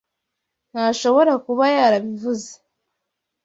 Ntashobora kuba yarabivuze.